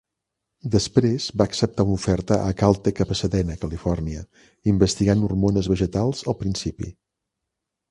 Després va acceptar una oferta a Caltech a Pasadena, California, investigant hormones vegetals al principi.